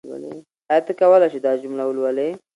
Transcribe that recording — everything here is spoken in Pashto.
آیا ته کولای شې دا جمله ولولې؟